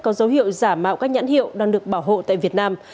có dấu hiệu giả mạo các nhãn hiệu đang được bảo hộ tại việt nam